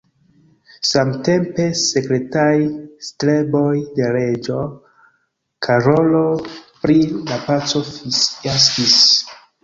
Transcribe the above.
Samtempe sekretaj streboj de reĝo Karolo pri la paco fiaskis.